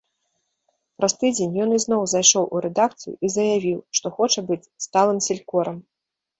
Праз тыдзень ён ізноў зайшоў у рэдакцыю і заявіў, што хоча быць сталым селькорам.